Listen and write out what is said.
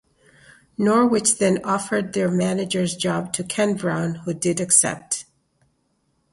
Norwich then offered their manager's job to Ken Brown who did accept.